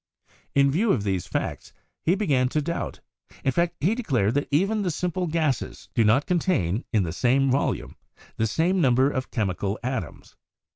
In view of these facts he began to doubt; in fact, he declared that even the simple gases do not contain, in the same volume, the same number of chemical atoms.